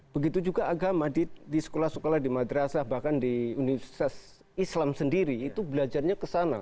begitu juga agama di sekolah sekolah di madrasah bahkan di universitas islam sendiri itu belajarnya ke sana